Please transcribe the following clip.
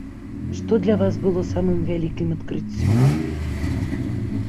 Што для вас было самым вялікім адкрыццём?